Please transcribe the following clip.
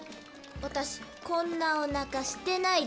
私こんなおなかしてないですからね！